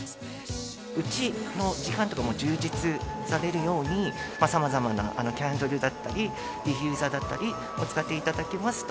うちの時間とかも充実されるように、さまざまなキャンドルだったり、ディフューザーだったりを使っていただきますと、